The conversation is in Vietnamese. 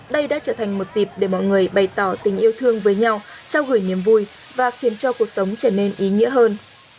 đây đã trở thành một dịp để mọi người bày tỏ tình yêu thương với nhau trao gửi niềm vui và khiến cho cuộc sống trở nên ý nghĩa hơn